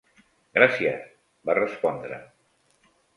"Gràcies", va respondre.